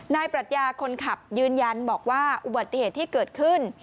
ปรัชญาคนขับยืนยันบอกว่าอุบัติเหตุที่เกิดขึ้น